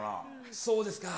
そうですか。